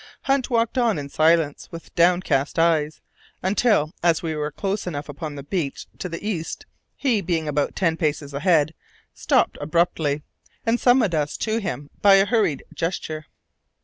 Hunt walked on in silence with downcast eyes, until as we were close upon the beach to the east, he, being about ten paces ahead, stopped abruptly, and summoned us to him by a hurried gesture.